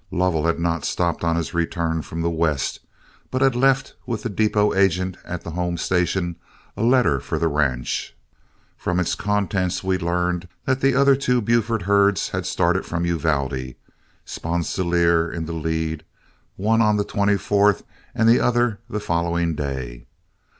Lovell had not stopped on his return from the west, but had left with the depot agent at the home station a letter for the ranch. From its contents we learned that the other two Buford herds had started from Uvalde, Sponsilier in the lead, one on the 24th and the other the following day.